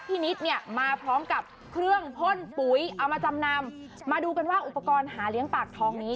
นิดเนี่ยมาพร้อมกับเครื่องพ่นปุ๋ยเอามาจำนำมาดูกันว่าอุปกรณ์หาเลี้ยงปากทองนี้